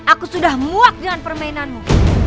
aku sudah muak dengan permainanmu